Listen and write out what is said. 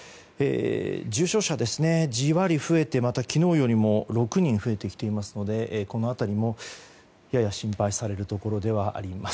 重症者がジワリと増えてまた昨日よりも６人増えてきていますのでこの辺りも、やや心配されるところではあります。